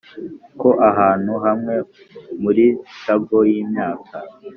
ko ahantu hamwe muri tangle yimyaka